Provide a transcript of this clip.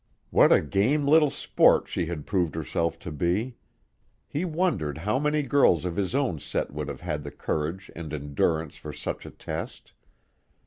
What a game little sport she had proved herself to be! He wondered how many girls of his own set would have had the courage and endurance for such a test.